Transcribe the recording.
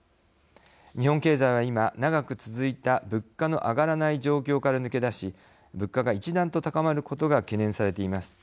日本経済は今長く続いた物価のあがらない状況から抜け出し、物価が一段と高まることが懸念されています。